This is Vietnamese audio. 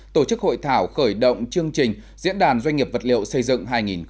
tổ chức hội thảo khởi động chương trình diễn đàn doanh nghiệp vật liệu xây dựng hai nghìn một mươi chín